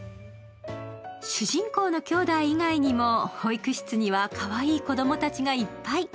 主人公の兄弟以外にも保育室にはかわいい子供たちがいっぱい。